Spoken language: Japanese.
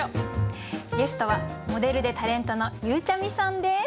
ゲストはモデルでタレントのゆうちゃみさんです。